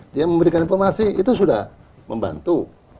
dia memberikan informasi itu sudah membantu